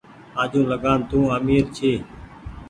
آجوٚنٚ لگآن تو آمير ڇي